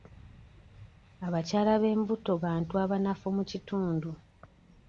Abakyala b'embuto bantu abanafu mu kitundu.